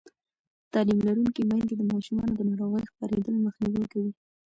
تعلیم لرونکې میندې د ماشومانو د ناروغۍ خپرېدل مخنیوی کوي.